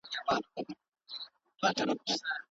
هغوی د شین چای په څښلو بوخت دي.